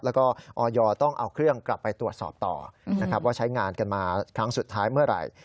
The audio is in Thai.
แล้วก็ออยต้องเอาเครื่องกลับไปตรวจสอบต่อนะครับว่าใช้งานกันมาครั้งสุดท้ายเมื่อไหร่